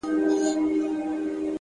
هوښیار انسان له هر چا څه زده کوي.!